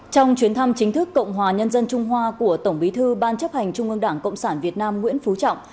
trong chuyến thăm chính thức cộng hòa nhân dân trung hoa của tổng bí thư ban chấp hành trung ương đảng cộng sản việt nam nguyễn phú trọng